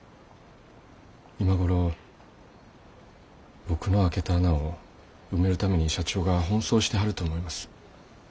今頃僕のあけた穴を埋めるために社長が奔走してはると思います。